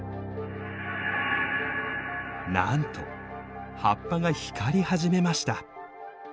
なんと葉っぱが光り始めました。